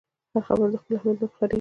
هر خبر د خپل اهمیت له مخې خپرېږي.